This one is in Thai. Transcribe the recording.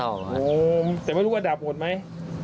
เม่าเศรษฐศาสตร์เหรอโอ้โฮแต่ไม่รู้ว่าดับหมดไหม